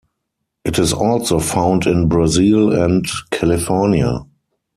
It is also found in Brazil and California.